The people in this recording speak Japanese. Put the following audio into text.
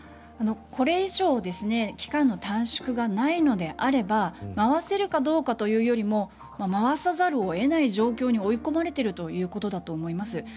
これ以上期間の短縮がないのであれば回せるかどうかというよりも回さざるを得ない状況に追い込まれているということだと思います。